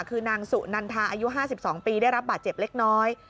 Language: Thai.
คือนางสุนันทาอายุ๕๒ปีได้รับบาดเจ็บเล็กน้อย